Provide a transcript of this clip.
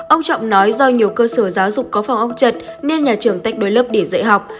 ông trọng nói do nhiều cơ sở giáo dục có phòng ong chật nên nhà trường tách đôi lớp để dạy học